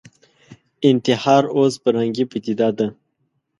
انتحار اوس فرهنګي پدیده ده